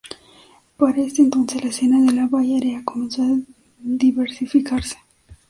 Para este entonces la escena de la Bay Area comenzó a diversificarse.